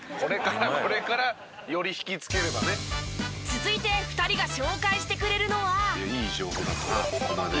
続いて２人が紹介してくれるのは。